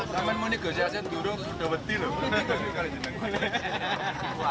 habis nasi berapa